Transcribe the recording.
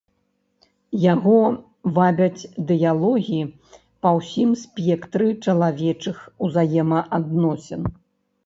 Яго вабяць дыялогі па ўсім спектры чалавечых узаемаадносін.